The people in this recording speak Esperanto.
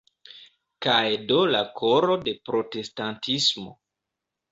Kaj do la koro de protestantismo.